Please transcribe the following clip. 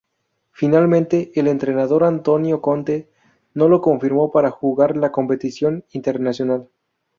Finalmente el entrenador Antonio Conte no lo confirmó para jugar la competición internacional.